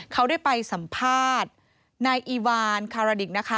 เขาได้ไปสัมภาษณ์นายอีวานคาราดิกนะคะ